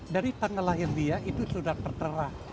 dari tanggal lahir dia itu sudah tertera